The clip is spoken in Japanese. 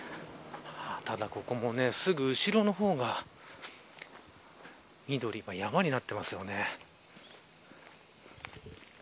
ただここも、すぐ後ろの方が緑が山になっていますよね。